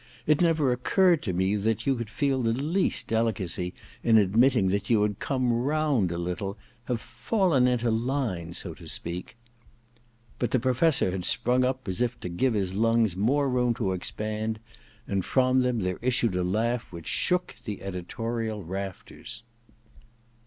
It never occurred to me that you could feel the least delicacy in admitting that you have come round a little — have fallen into line, so to speak/ But the Professor had sprung up as if to give his lungs more room to expand ; and from them there issued a laugh which shook the editorial rafters.